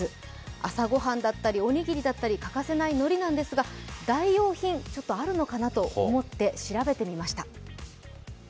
朝ごはんだったりおにぎりだったり、欠かせない海苔なんですが代用品、あるのかなと思って調べてみました。